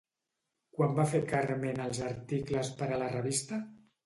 Quan va fer Carmen els articles per a la revista?